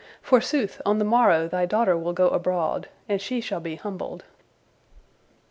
Forsooth, on the morrow thy daughter will go abroad, and she shall be humbled."